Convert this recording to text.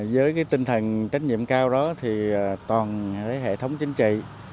với tinh thần trách nhiệm cao đó thì toàn hệ thống chính trị